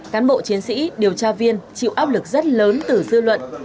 cán bộ chiến sĩ điều tra viên chịu áp lực rất lớn từ dư luận